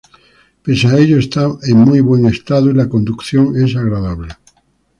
Pese a ello, está en muy buen estado y la conducción es agradable.